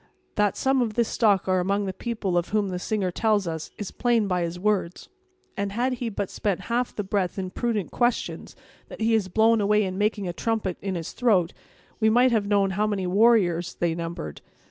That some of this stock are among the people of whom the singer tells us, is plain by his words; and, had he but spent half the breath in prudent questions that he has blown away in making a trumpet of his throat, we might have known how many warriors they numbered.